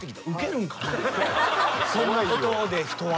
そんな事で人は。